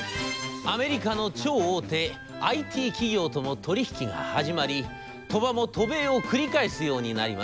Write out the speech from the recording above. アメリカの超大手ＩＴ企業とも取り引きが始まり鳥羽も渡米を繰り返すようになります。